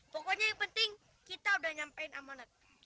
pokoknya yang penting kita udah nyampein amanat